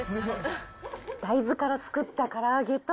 大豆からつくったから揚げと。